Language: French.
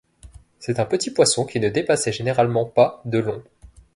C'est un petit poisson qui ne dépassait généralement pas de long.